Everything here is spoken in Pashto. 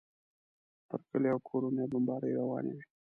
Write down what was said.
پر کلیو او کورونو یې بمبارۍ روانې وې.